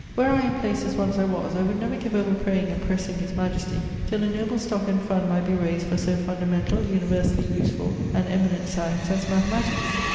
Were I in place as once I was, I would never give over praying and pressing his majesty till a noble stock and fund might be raised for so fundamentall, universally usefull, and eminent science as mathematicks.'